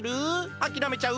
あきらめちゃう？